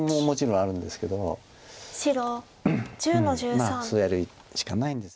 まあそうやるしかないんです。